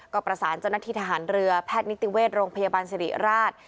ก็ประสานเจ้าหน้าที่ทหารเรือแพทย์นิติเวชโรงพยาบาลสิริราช